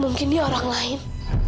mungkin dia orang lain